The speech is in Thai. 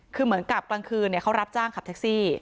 คือเหมือนกับกลางคืนเขารับจ้างขับแท็กซี่